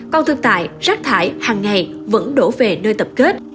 còn thực tại rác thải hàng ngày vẫn đổ về nơi tập kết